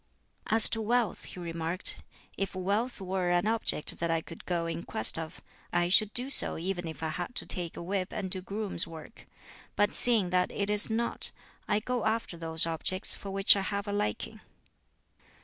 As to wealth, he remarked, "If wealth were an object that I could go in quest of, I should do so even if I had to take a whip and do grooms' work. But seeing that it is not, I go after those objects for which I have a liking."